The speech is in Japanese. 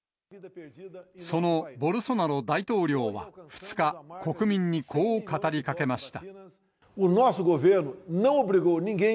そのボルソナロ大統領は、２日、国民にこう語りかけました。